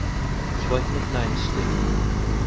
Ich wollte mit Nein stimmen.